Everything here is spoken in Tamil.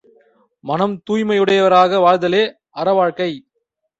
மனம் தூய்மையுடையவராக வாழ்தலே அறவாழ்க்கை.